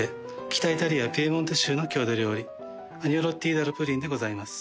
北イタリアピエモンテ州の郷土料理アニョロッティダルプリンでございます。